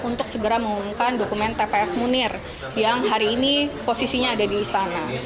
untuk segera mengumumkan dokumen tpf munir yang hari ini posisinya ada di istana